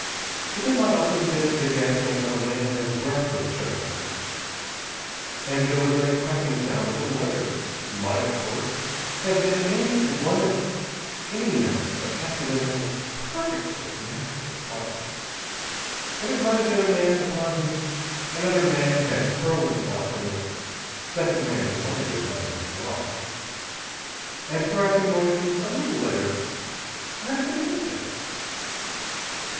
But they might also have been the gasping of a man as breath was choked out of him.... And there was a cracking sound a little later, which might of course have been any one of any number of accidental and perfectly natural causes. And it might have been a man upon whom another man had hurled himself, when the second man landed on his jaw. And thrashing noises a little later might have been anything.